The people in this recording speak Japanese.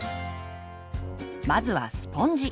まずはスポンジ。